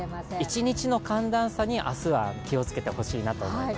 一日の寒暖差に明日は気をつけてほしいと思います。